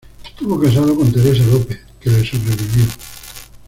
Estuvo casado con Teresa López, que le sobrevivió.